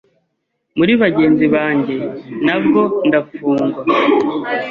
muri bagenzi banjye na bwo ndafugwa,